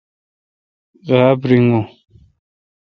غابہ ریگون۔